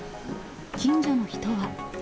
近所の人は。